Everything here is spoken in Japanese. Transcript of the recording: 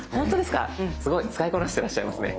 すごい使いこなしていらっしゃいますね。